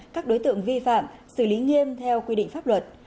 các đối tượng vi phạm xử lý nghiêm theo quy định pháp luật